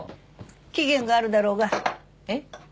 期限があるだろうがえっ？